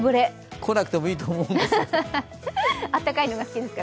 こなくてもいいと思うんです。